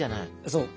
そう。